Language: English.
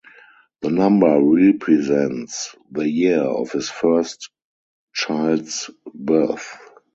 The number represents the year of his first child's birth.